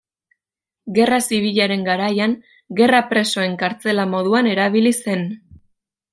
Gerra zibilaren garaian gerra presoen kartzela moduan erabili zen.